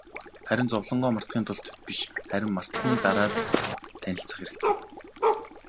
Харин зовлонгоо мартахын тулд биш, харин мартсаны дараа л танилцах хэрэгтэй.